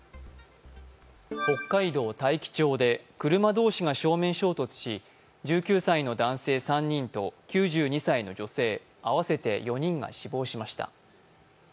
北海道大樹町で車同士が正面衝突し１９歳の男性３人と９２歳の女性、合わせて４人が死亡しました。